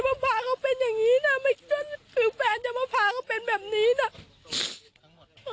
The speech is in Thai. มาพาเขาเป็นอย่างนี้น่ะไม่คิดว่าเหตุการณ์จะมาพาเขาเป็นแบบนี้น่ะ